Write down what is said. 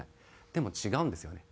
でも違うんですよね。